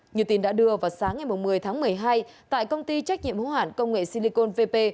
như tin đã đưa vào sáng ngày một mươi tháng một mươi hai tại công ty trách nhiệm hữu hạn công nghệ silicon vp